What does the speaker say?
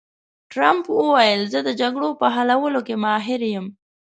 ټرمپ وویل، زه د جګړو په حلولو کې ماهر یم.